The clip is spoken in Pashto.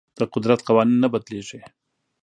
د قدرت قوانین نه بدلیږي.